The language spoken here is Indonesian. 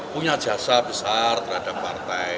punya jasa besar terhadap partai